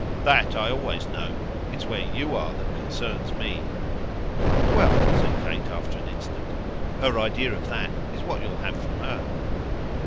"That I always know. It's where YOU are that concerns me." "Well," said Kate after an instant, "her idea of that is what you'll have from her."